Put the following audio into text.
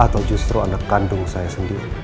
atau justru anak kandung saya sendiri